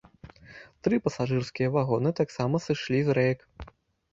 Тры пасажырскія вагоны, таксама сышлі з рэек.